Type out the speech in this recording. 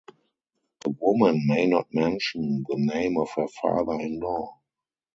A woman may not mention the name of her father-in-law.